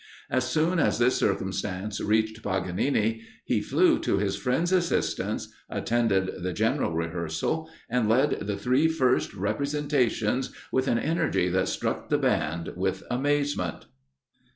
As soon as this circumstance reached Paganini, he flew to his friend's assistance, attended the general rehearsal, and led the three first representations with an energy that struck the band with amazement.